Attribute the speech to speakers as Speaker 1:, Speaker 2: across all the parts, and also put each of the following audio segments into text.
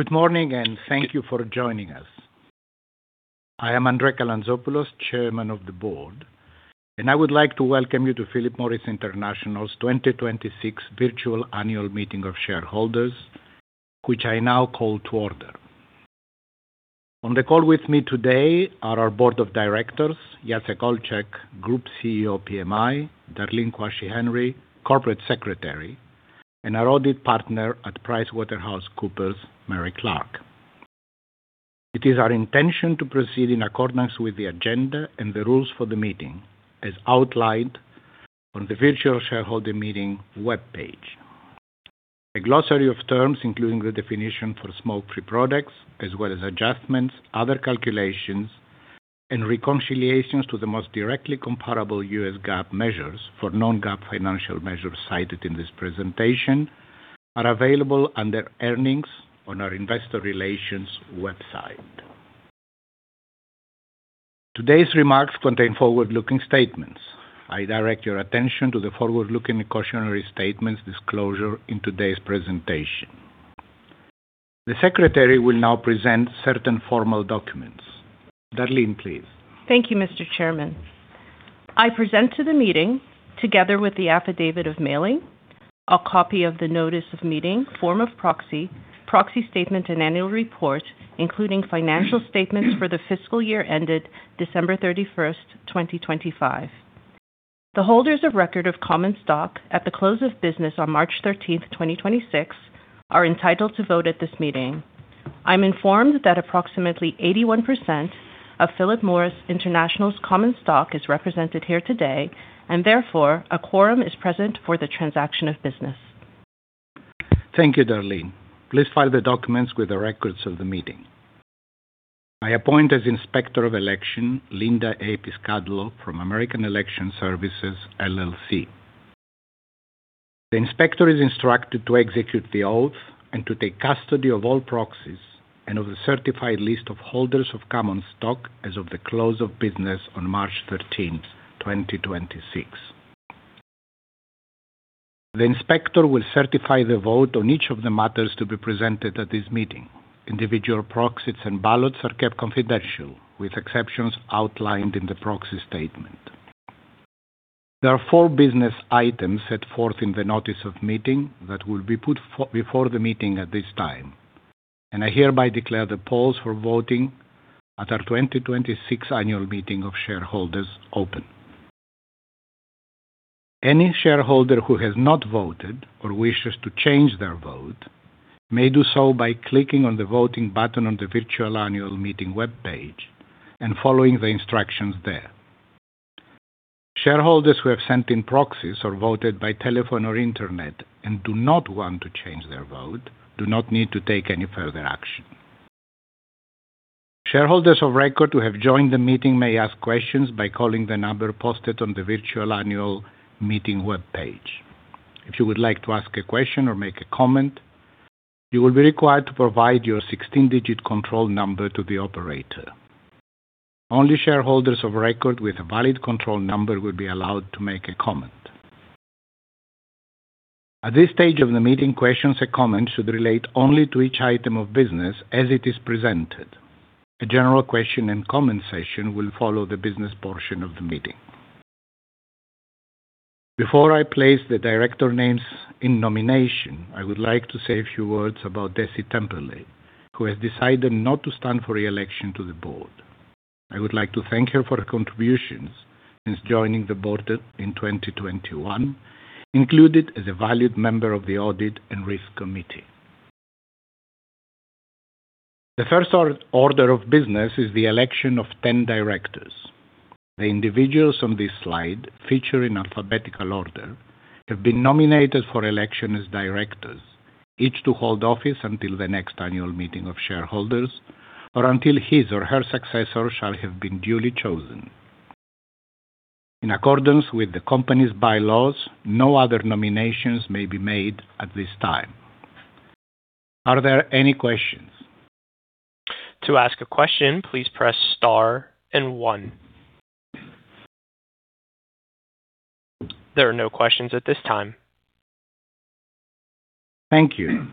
Speaker 1: Good morning, and thank you for joining us. I am André Calantzopoulos, Chairman of the Board, and I would like to welcome you to Philip Morris International's 2026 Virtual Annual Meeting of Shareholders, which I now call to order. On the call with me today are our Board of Directors, Jacek Olczak, Group CEO, PMI, Darlene Quashie Henry, Corporate Secretary, and our Audit Partner at PricewaterhouseCoopers, Mary Clark. It is our intention to proceed in accordance with the agenda and the rules for the meeting as outlined on the virtual shareholder meeting webpage. A glossary of terms, including the definition for smoke-free products, as well as adjustments, other calculations, and reconciliations to the most directly comparable U.S. GAAP measures for non-GAAP financial measures cited in this presentation are available under Earnings on our Investor Relations website. Today's remarks contain forward-looking statements. I direct your attention to the forward-looking cautionary statements disclosure in today's presentation. The Secretary will now present certain formal documents. Darlene, please.
Speaker 2: Thank you, Mr. Chairman. I present to the meeting, together with the affidavit of mailing, a copy of the notice of meeting, form of proxy statement, and annual report, including financial statements for the fiscal year ended December 31st, 2025. The holders of record of common stock at the close of business on March 13th, 2026 are entitled to vote at this meeting. I'm informed that approximately 81% of Philip Morris International's common stock is represented here today, and therefore, a quorum is present for the transaction of business.
Speaker 1: Thank you, Darlene. Please file the documents with the records of the meeting. I appoint as Inspector of Election, Linda A. Piscadlo from American Election Services, LLC. The Inspector is instructed to execute the oath and to take custody of all proxies and of the certified list of holders of common stock as of the close of business on March 13th, 2026. The Inspector will certify the vote on each of the matters to be presented at this meeting. Individual proxies and ballots are kept confidential, with exceptions outlined in the proxy statement. There are four business items set forth in the notice of meeting that will be put before the meeting at this time, and I hereby declare the polls for voting at our 2026 annual meeting of shareholders open. Any shareholder who has not voted or wishes to change their vote may do so by clicking on the voting button on the virtual annual meeting webpage and following the instructions there. Shareholders who have sent in proxies or voted by telephone or internet and do not want to change their vote do not need to take any further action. Shareholders of record who have joined the meeting may ask questions by calling the number posted on the virtual annual meeting webpage. If you would like to ask a question or make a comment, you will be required to provide your 16-digit control number to the operator. Only shareholders of record with a valid control number will be allowed to make a comment. At this stage of the meeting, questions or comments should relate only to each item of business as it is presented. A general question and comment session will follow the business portion of the meeting. Before I place the Director names in nomination, I would like to say a few words about Dessi Temperley, who has decided not to stand for re-election to the Board. I would like to thank her for her contributions since joining the Board in 2021, included as a valued member of the Audit and Risk Committee. The first order of business is the election of 10 directors. The individuals on this slide, featured in alphabetical order, have been nominated for election as Directors, each to hold office until the next annual meeting of shareholders or until his or her successor shall have been duly chosen. In accordance with the company's bylaws, no other nominations may be made at this time. Are there any questions?
Speaker 3: To ask a question, please press star and one. There are no questions at this time.
Speaker 1: Thank you.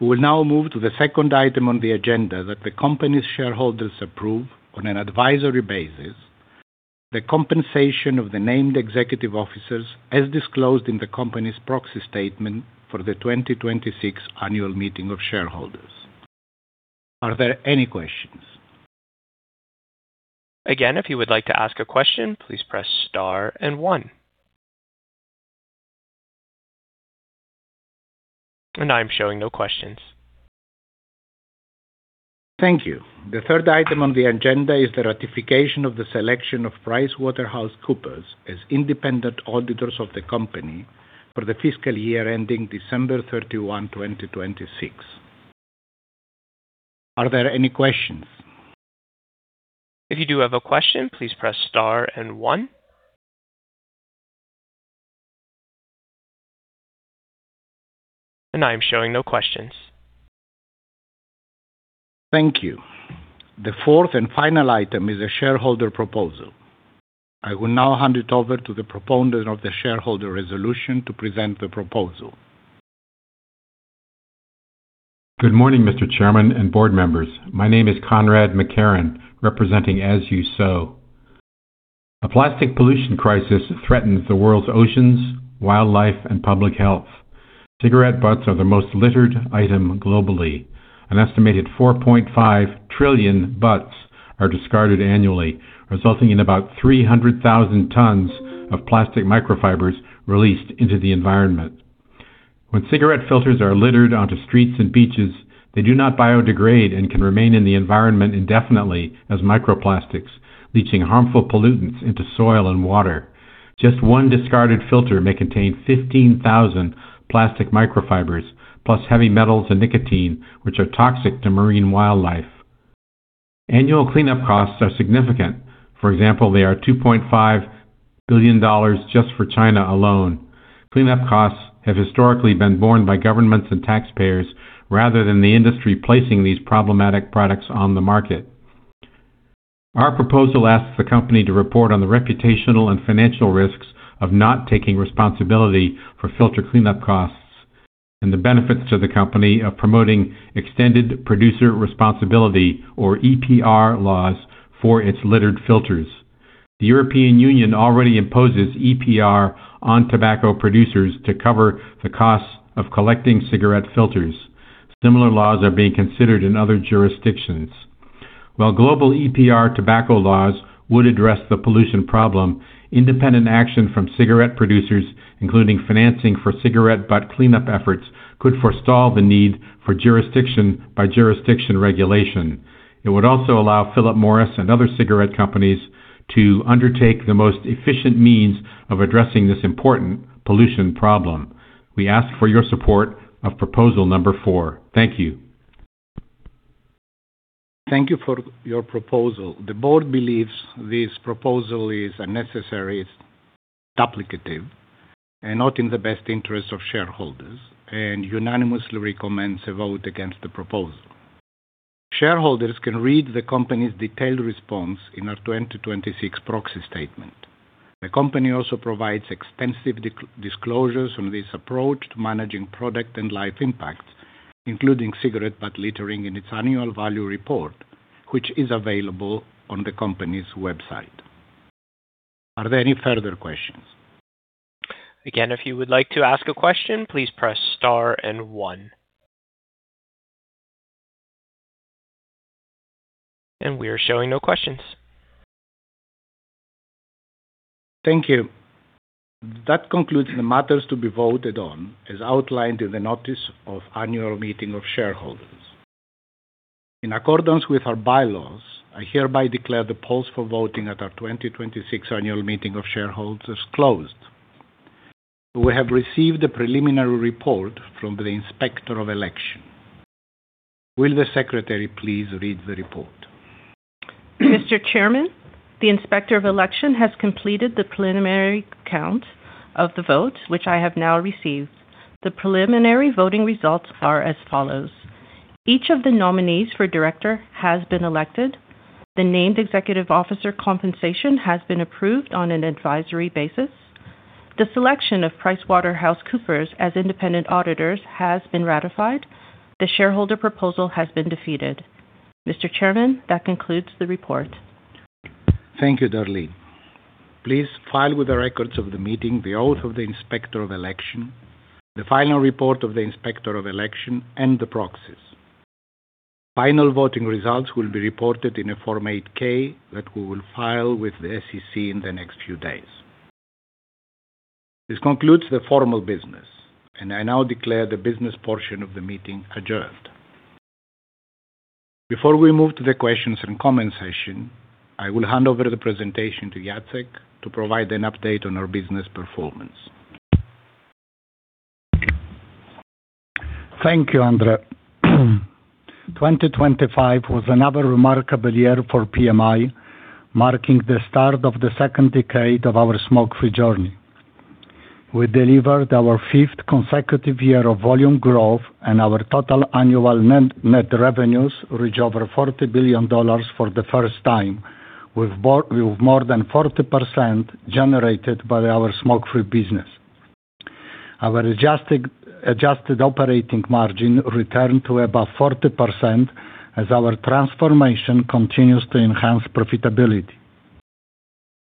Speaker 1: We will now move to the second item on the agenda that the company's shareholders approve on an advisory basis the compensation of the named executive officers as disclosed in the company's proxy statement for the 2026 annual meeting of shareholders. Are there any questions?
Speaker 3: Again, if you would like to ask a question, please press star and one. I am showing no questions.
Speaker 1: Thank you. The third item on the agenda is the ratification of the selection of PricewaterhouseCoopers as independent auditors of the company for the fiscal year ending December 31, 2026. Are there any questions?
Speaker 3: If you do have a question, please press star and one. I am showing no questions.
Speaker 1: Thank you. The fourth and final item is a shareholder proposal. I will now hand it over to the proponent of the shareholder resolution to present the proposal.
Speaker 4: Good morning, Mr. Chairman and Board members. My name is Conrad MacKerron, representing As You Sow. A plastic pollution crisis threatens the world's oceans, wildlife, and public health. Cigarette butts are the most littered item globally. An estimated 4.5 trillion butts are discarded annually, resulting in about 300,000 tons of plastic microfibers released into the environment. When cigarette filters are littered onto streets and beaches, they do not biodegrade and can remain in the environment indefinitely as microplastics, leaching harmful pollutants into soil and water. Just one discarded filter may contain 15,000 plastic microfibers, plus heavy metals and nicotine, which are toxic to marine wildlife. Annual cleanup costs are significant. For example, they are $2.5 billion just for China alone. Cleanup costs have historically been borne by governments and taxpayers rather than the industry placing these problematic products on the market. Our proposal asks the company to report on the reputational and financial risks of not taking responsibility for filter cleanup costs and the benefits to the company of promoting extended producer responsibility or EPR laws for its littered filters. European Union already imposes EPR on tobacco producers to cover the cost of collecting cigarette filters. Similar laws are being considered in other jurisdictions. While global EPR tobacco laws would address the pollution problem, independent action from cigarette producers, including financing for cigarette butt cleanup efforts, could forestall the need for jurisdiction-by-jurisdiction regulation. It would also allow Philip Morris and other cigarette companies to undertake the most efficient means of addressing this important pollution problem. We ask for your support of proposal number four. Thank you.
Speaker 1: Thank you for your proposal. The Board believes this proposal is unnecessary, duplicative, and not in the best interest of shareholders, and unanimously recommends a vote against the proposal. Shareholders can read the company's detailed response in our 2026 proxy statement. The company also provides extensive disclosures on this approach to managing product and life impacts, including cigarette butt littering in its annual value report, which is available on the company's website. Are there any further questions?
Speaker 3: Again, if you would like to ask a question, please press star and one. We are showing no questions.
Speaker 1: Thank you. That concludes the matters to be voted on as outlined in the notice of annual meeting of shareholders. In accordance with our bylaws, I hereby declare the polls for voting at our 2026 annual meeting of shareholders closed. We have received a preliminary report from the Inspector of Election. Will the secretary please read the report?
Speaker 2: Mr. Chairman, the Inspector of Election has completed the preliminary count of the vote, which I have now received. The preliminary voting results are as follows. Each of the nominees for Director has been elected. The named executive officer compensation has been approved on an advisory basis. The selection of PricewaterhouseCoopers as independent auditors has been ratified. The shareholder proposal has been defeated. Mr. Chairman, that concludes the report.
Speaker 1: Thank you, Darlene. Please file with the records of the meeting, the oath of the Inspector of Election, the final report of the Inspector of Election, and the proxies. Final voting results will be reported in a Form 8-K that we will file with the SEC in the next few days. This concludes the formal business, and I now declare the business portion of the meeting adjourned. Before we move to the questions-and-comment session, I will hand over the presentation to Jacek to provide an update on our business performance.
Speaker 5: Thank you, André. 2025 was another remarkable year for PMI, marking the start of the second decade of our smoke-free journey. We delivered our fifth consecutive year of volume growth, and our total annual net revenues reached over $40 billion for the first time, with more than 40% generated by our smoke-free business. Our adjusted operating margin returned to above 40% as our transformation continues to enhance profitability.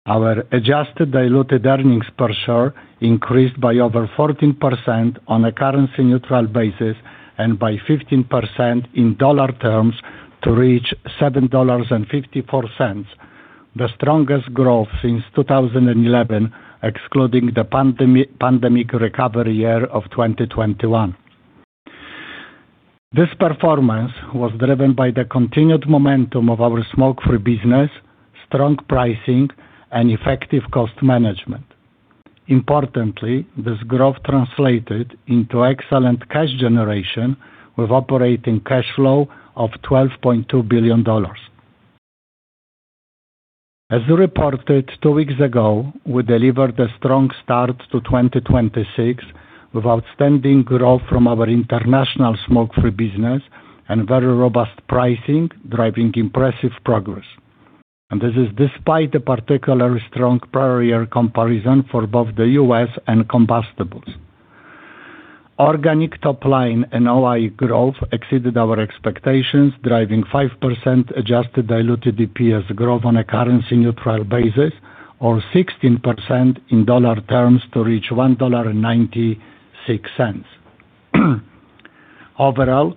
Speaker 5: Our adjusted diluted earnings per share increased by over 14% on a currency-neutral basis and by 15% in dollar terms to reach $7.54, the strongest growth since 2011, excluding the pandemic recovery year of 2021. This performance was driven by the continued momentum of our smoke-free business, strong pricing, and effective cost management. Importantly, this growth translated into excellent cash generation with operating cash flow of $12.2 billion. As we reported two weeks ago, we delivered a strong start to 2026 with outstanding growth from our international smoke-free business and very robust pricing, driving impressive progress. This is despite a particularly strong prior year comparison for both the U.S. and combustibles. Organic top line and OI growth exceeded our expectations, driving 5% adjusted diluted EPS growth on a currency-neutral basis or 16% in dollar terms to reach $1.96. Overall,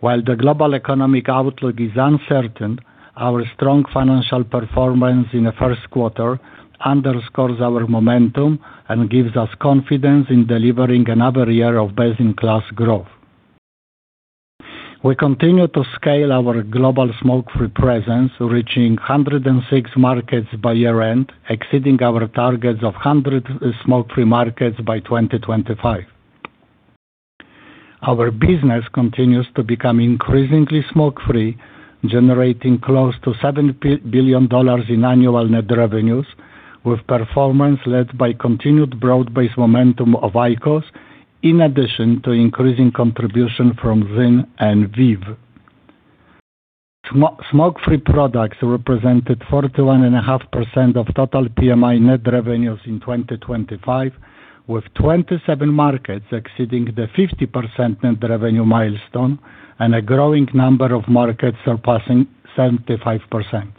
Speaker 5: while the global economic outlook is uncertain, our strong financial performance in the first quarter underscores our momentum and gives us confidence in delivering another year of best-in-class growth. We continue to scale our global smoke-free presence, reaching 106 markets by year-end, exceeding our targets of 100 smoke-free markets by 2025. Our business continues to become increasingly smoke-free, generating close to $7 billion in annual net revenues, with performance led by continued broad-based momentum of IQOS, in addition to increasing contribution from ZYN and VEEV. Smoke-free products represented 41.5% of total PMI net revenues in 2025, with 27 markets exceeding the 50% net revenue milestone and a growing number of markets surpassing 75%.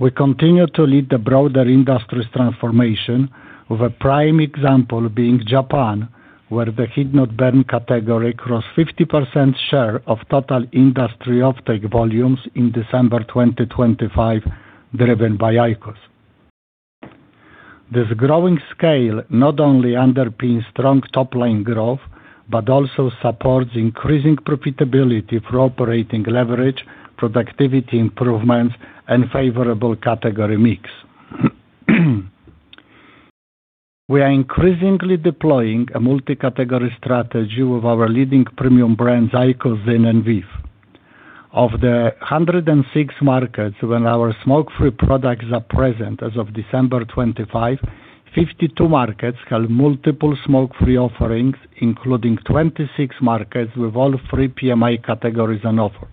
Speaker 5: We continue to lead the broader industry's transformation, with a prime example being Japan, where the heat-not-burn category crossed 50% share of total industry offtake volumes in December 2025, driven by IQOS. This growing scale not only underpins strong top-line growth but also supports increasing profitability through operating leverage, productivity improvements, and favorable category mix. We are increasingly deploying a multi-category strategy with our leading premium brands, IQOS, ZYN and VEEV. Of the 106 markets when our smoke-free products are present as of December 25, 52 markets have multiple smoke-free offerings, including 26 markets with all three PMI categories on offer.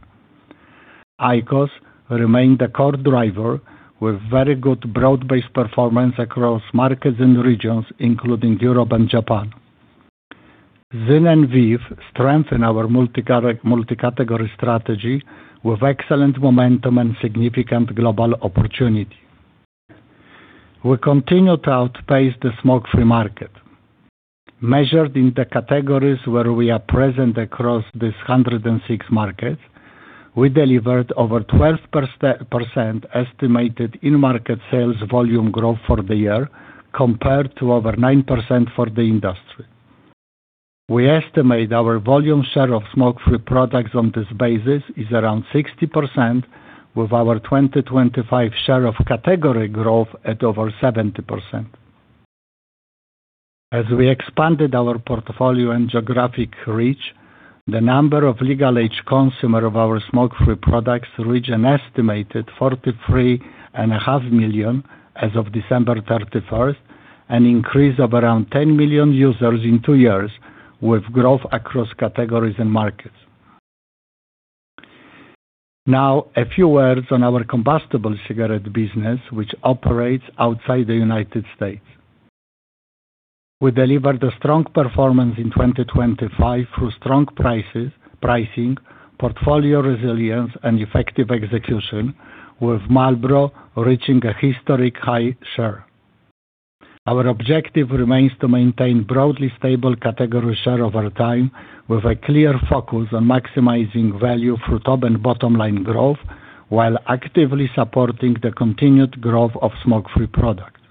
Speaker 5: IQOS remained the core driver with very good broad-based performance across markets and regions, including Europe and Japan. ZYN and VEEV strengthen our multi-category strategy with excellent momentum and significant global opportunity. We continue to outpace the smoke-free market. Measured in the categories where we are present across these 106 markets, we delivered over 12% estimated in-market sales volume growth for the year compared to over 9% for the industry. We estimate our volume share of smoke-free products on this basis is around 60%, with our 2025 share of category growth at over 70%. As we expanded our portfolio and geographic reach, the number of legal-age consumer of our smoke-free products reached an estimated 43.5 million as of December 31st, an increase of around 10 million users in two years, with growth across categories and markets. Now, a few words on our combustible cigarette business, which operates outside the United States. We delivered a strong performance in 2025 through strong pricing, portfolio resilience, and effective execution, with Marlboro reaching a historic high share. Our objective remains to maintain broadly stable category share over time with a clear focus on maximizing value through top and bottom line growth while actively supporting the continued growth of smoke-free products.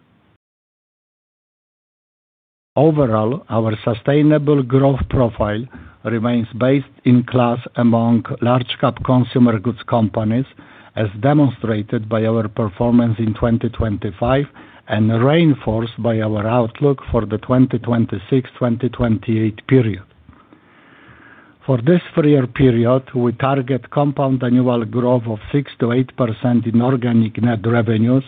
Speaker 5: Overall, our sustainable growth profile remains best-in-class among large-cap consumer goods companies, as demonstrated by our performance in 2025 and reinforced by our outlook for the 2026, 2028 period. For this three-year period, we target compound annual growth of 6%-8% in organic net revenues,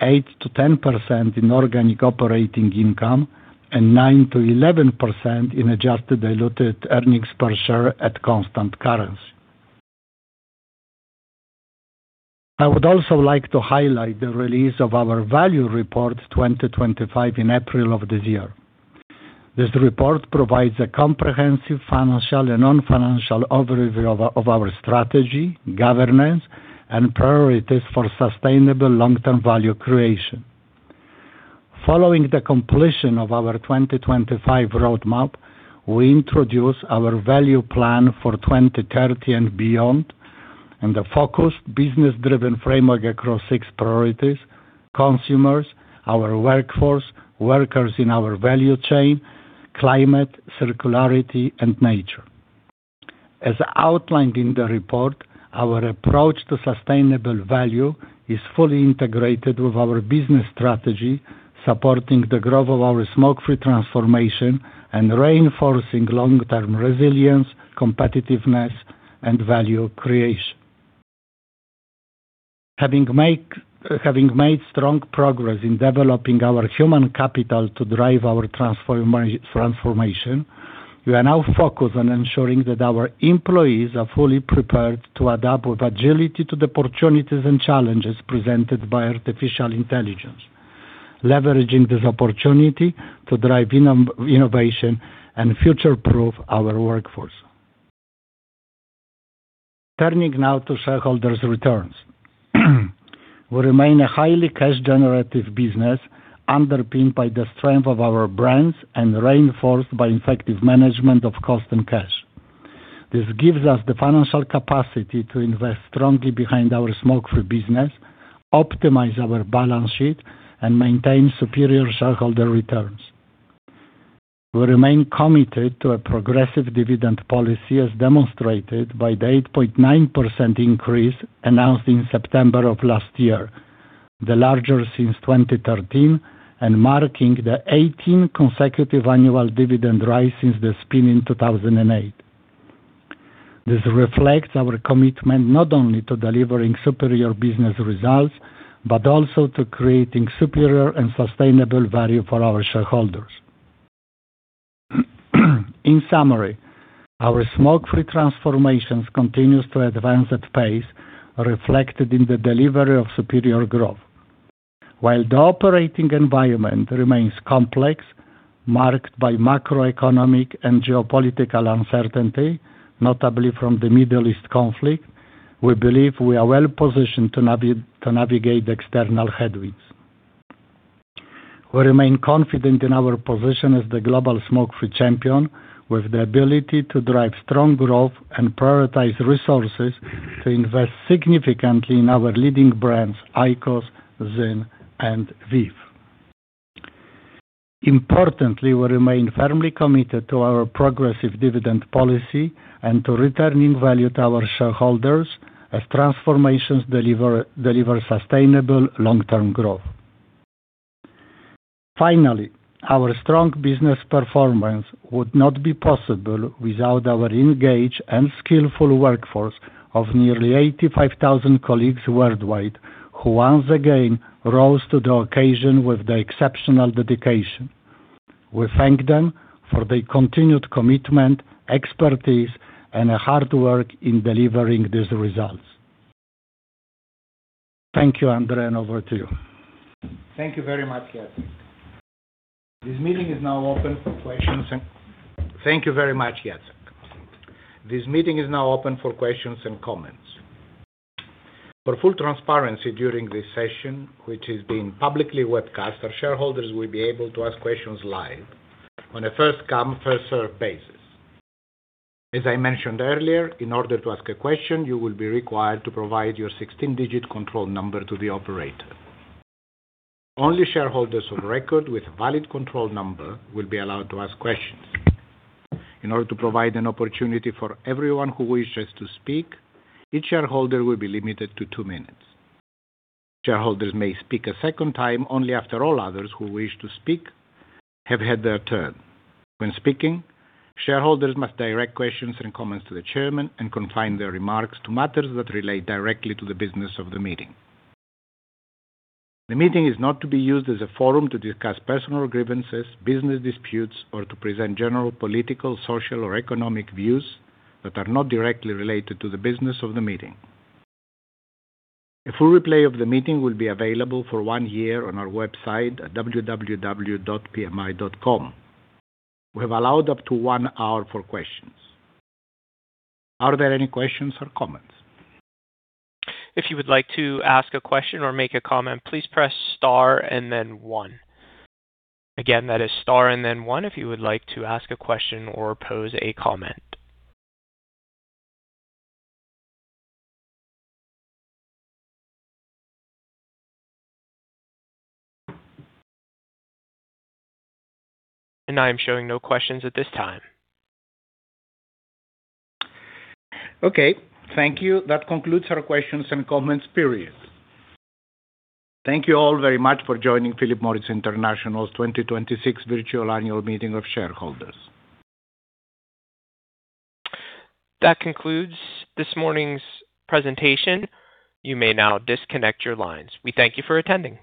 Speaker 5: 8%-10% in organic operating income, and 9%-11% in adjusted diluted earnings per share at constant currency. I would also like to highlight the release of our Value Report 2025 in April of this year. This report provides a comprehensive financial and non-financial overview of our strategy, governance, and priorities for sustainable long-term value creation. Following the completion of our 2025 roadmap, we introduce our Value Plan for 2030 and beyond and the focused business-driven framework across six priorities, consumers, our workforce, workers in our value chain, climate, circularity, and nature. As outlined in the report, our approach to sustainable value is fully integrated with our business strategy, supporting the growth of our smoke-free transformation and reinforcing long-term resilience, competitiveness, and value creation. Having made strong progress in developing our human capital to drive our transformation, we are now focused on ensuring that our employees are fully prepared to adapt with agility to the opportunities and challenges presented by artificial intelligence, leveraging this opportunity to drive innovation and future-proof our workforce. Turning now to shareholders' returns. We remain a highly cash-generative business, underpinned by the strength of our brands and reinforced by effective management of cost and cash. This gives us the financial capacity to invest strongly behind our smoke-free business, optimize our balance sheet, and maintain superior shareholder returns. We remain committed to a progressive dividend policy, as demonstrated by the 8.9% increase announced in September of last year, the larger since 2013, and marking the 18 consecutive annual dividend rise since the spin in 2008. This reflects our commitment not only to delivering superior business results, but also to creating superior and sustainable value for our shareholders. In summary, our smoke-free transformations continues to advance at pace, reflected in the delivery of superior growth. While the operating environment remains complex, marked by macroeconomic and geopolitical uncertainty, notably from the Middle East conflict, we believe we are well-positioned to navigate the external headwinds. We remain confident in our position as the global smoke-free champion with the ability to drive strong growth and prioritize resources to invest significantly in our leading brands, IQOS, ZYN, and VEEV. Importantly, we remain firmly committed to our progressive dividend policy and to returning value to our shareholders as transformations deliver sustainable long-term growth. Finally, our strong business performance would not be possible without our engaged and skillful workforce of nearly 85,000 colleagues worldwide, who once again rose to the occasion with the exceptional dedication. We thank them for their continued commitment, expertise, and hard work in delivering these results. Thank you, André, and over to you.
Speaker 1: Thank you very much, Jacek. This meeting is now open for questions and comments. For full transparency during this session, which is being publicly webcast, our shareholders will be able to ask questions live on a first-come, first-served basis. As I mentioned earlier, in order to ask a question, you will be required to provide your 16-digit control number to the operator. Only shareholders on record with a valid control number will be allowed to ask questions. In order to provide an opportunity for everyone who wishes to speak, each shareholder will be limited to two minutes. Shareholders may speak a second time only after all others who wish to speak have had their turn. When speaking, shareholders must direct questions and comments to the chairman and confine their remarks to matters that relate directly to the business of the meeting. The meeting is not to be used as a forum to discuss personal grievances, business disputes, or to present general political, social, or economic views that are not directly related to the business of the meeting. A full replay of the meeting will be available for one year on our website at www.pmi.com. We have allowed up to one hour for questions. Are there any questions or comments?
Speaker 3: If you would like to ask a question or make a comment, please press star and then one. Again, that is star and then one if you would like to ask a question or pose a comment. I am showing no questions at this time.
Speaker 1: Okay. Thank you. That concludes our questions-and-comments period. Thank you all very much for joining Philip Morris International's 2026 Virtual Annual Meeting of Shareholders.
Speaker 3: That concludes this morning's presentation. You may now disconnect your lines. We thank you for attending.